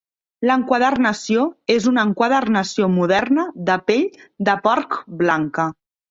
L'enquadernació és una enquadernació moderna de pell de porc blanca.